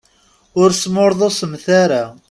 Ur smurḍusemt ara.